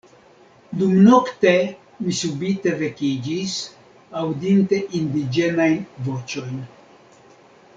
Dumnokte mi subite vekiĝis, aŭdinte indiĝenajn voĉojn.